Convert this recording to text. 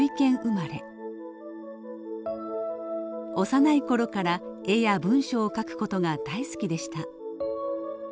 幼い頃から絵や文章を書く事が大好きでした。